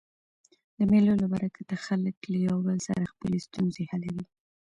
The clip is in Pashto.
د مېلو له برکته خلک له یو بل سره خپلي ستونزي حلوي.